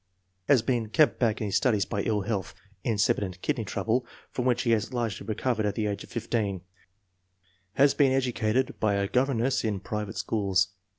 Has been kept back in his studies by ill health (in cipient kidney trouble), from which he had largely re covered at the age of 15. Has been educated by a gov erness and in private schools.